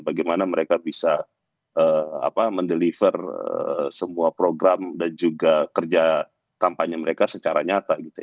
bagaimana mereka bisa mendeliver semua program dan juga kerja kampanye mereka secara nyata gitu